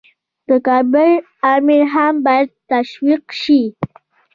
د کابل امیر هم باید تشویق شي.